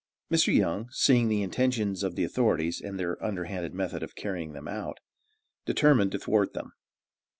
Mr. Young, seeing the intentions of the authorities, and their underhanded method of carrying them out, determined to thwart them.